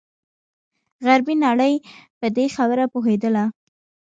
غربي نړۍ په دې خبره پوهېدله.